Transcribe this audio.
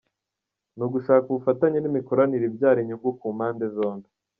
Ni ugushaka ubufatanye n’imikoranire ibyara inyungu ku mpande zombi.